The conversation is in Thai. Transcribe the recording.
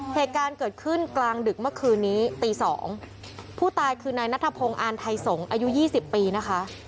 เหตุการณ์เกิดขึ้นกลางดึกเมื่อคืนนี้ตีสองผู้ตายคือนายนัทพงศ์อ่านไทยสงศ์อายุยี่สิบปีนะคะ